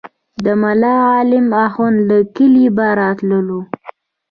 د ملا عالم اخند له کلي به راتللو.